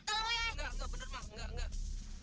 di pondok lapang aja gitu